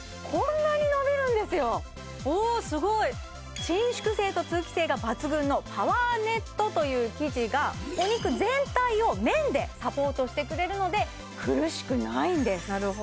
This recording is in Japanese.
こんなに伸びるんですよおすごい伸縮性と通気性が抜群のパワーネットという生地がお肉全体を面でサポートしてくれるので苦しくないんです